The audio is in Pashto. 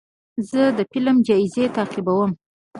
زه د فلم جایزې تعقیبوم.